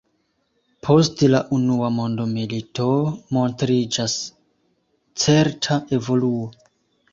Post la unua mondmilito montriĝas certa evoluo.